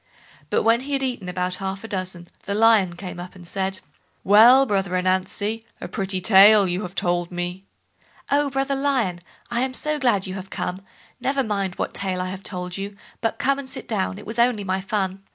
But when he had eaten about half a dozen, the Lion came up, and said: "Well, brother Ananzi, a pretty tale you have told me." "Oh! brother Lion, I am so glad you have come; never mind what tale I have told you, but come and sit down—it was only my fun."